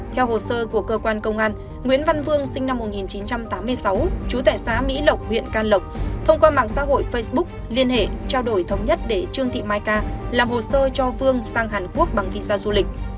theo hồ sơ của cơ quan công an nguyễn văn vương sinh năm một nghìn chín trăm tám mươi sáu trú tại xã mỹ lộc huyện can lộc thông qua mạng xã hội facebook liên hệ trao đổi thống nhất để trương thị mai ca làm hồ sơ cho phương sang hàn quốc bằng visa du lịch